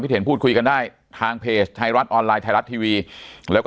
เห็นพูดคุยกันได้ทางเพจไทยรัฐออนไลน์ไทยรัฐทีวีแล้วก็